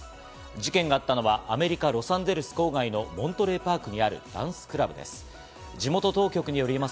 事件があったのは、アメリカ・ロサンゼルス郊外のモントレーパークにあるダンスクラブです。